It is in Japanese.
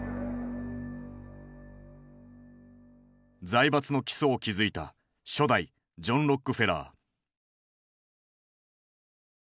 財閥の基礎を築いた初代ジョン・ロックフェラー。